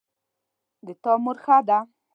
د تا مور ښه ده